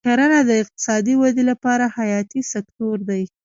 کرنه د اقتصادي ودې لپاره حیاتي سکتور دی.